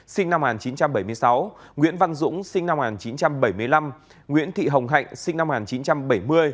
sinh năm một nghìn chín trăm bảy mươi sáu nguyễn văn dũng sinh năm một nghìn chín trăm bảy mươi năm nguyễn thị hồng hạnh sinh năm một nghìn chín trăm bảy mươi